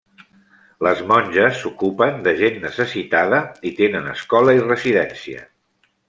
Les monges s'ocupen de gent necessitada i tenen escola i residència.